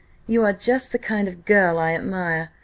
You are just the kind of girl I admire.